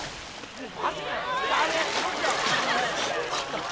もう。